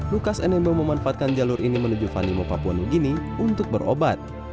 lukas nmb memanfaatkan jalur ini menuju vanimo papua new guinea untuk berobat